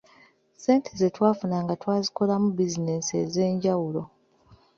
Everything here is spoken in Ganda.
Ssente ze twafunanga twazikolamu bizinensi ez’enjawulo.